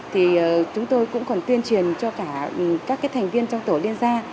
thì chúng tôi cũng còn tuyên truyền cho cả các thành viên trong tổ liên gia